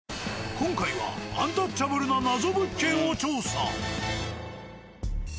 今回はアンタッチャブるな謎物件を調査。